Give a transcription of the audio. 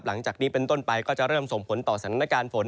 หลังจากนี้เป็นต้นไปก็จะเริ่มส่งผลต่อสถานการณ์ฝน